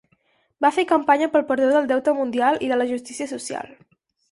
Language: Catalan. Va fer campanya pel perdó del deute mundial i la justícia social.